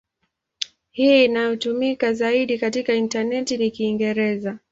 Hii inayotumika zaidi katika intaneti ni Kiingereza.